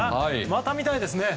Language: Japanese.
また見たいですね。